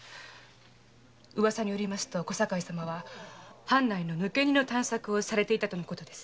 ウワサによりますと小堺様は藩内の抜け荷の探索をされていたとのことです。